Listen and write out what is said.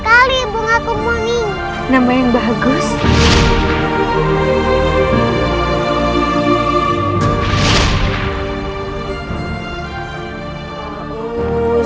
kamu kenal dengan namaku